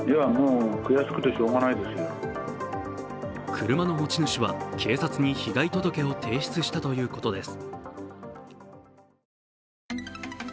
車の持ち主は警察に被害届を提出したということです。